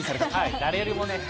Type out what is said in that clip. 誰よりもね。